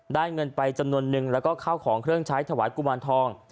เงินไปจำนวนนึงแล้วก็เข้าของเครื่องใช้ถวายกุมารทอง